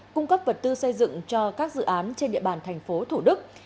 cung cấp vật tư xây dựng cho các dự án trên địa bàn thành phố thủ đức